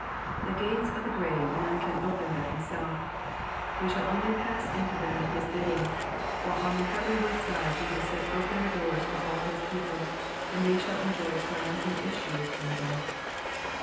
The gates of the grave none can open but himself, we shall only pass into them at his bidding ; while on the heaven ward side he has set open the doors for all his people, and they shall enjoy triumphant issues from death.